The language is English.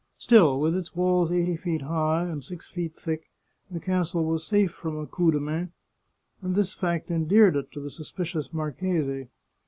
Still, with its walls eighty feet high and six feet thick, the castle was safe from a coup de main, and this fact endeared it to the suspicious marchese.